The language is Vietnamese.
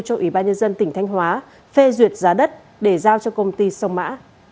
cho ủy ban nhân dân tỉnh thanh hóa phê duyệt giá đất để giao cho công ty sông mã